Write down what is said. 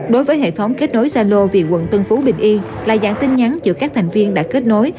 đối với hệ thống kết nối gia lô vì quận tân phú bình yên là dạng tin nhắn giữa các thành viên đã kết nối